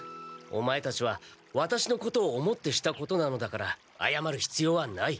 オマエたちはワタシのことを思ってしたことなのだからあやまるひつようはない。